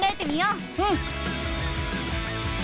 うん。